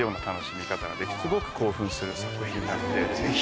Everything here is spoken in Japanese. すごく興奮する作品なのでぜひ。